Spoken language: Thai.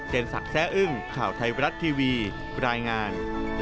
ศักดิ์แซ่อึ้งข่าวไทยบรัฐทีวีรายงาน